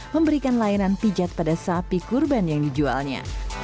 memberikan layanan pijat pada sapi kurban yang dijualnya